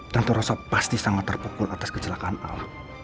tante rosa pasti sangat terpukul atas kecelakaan al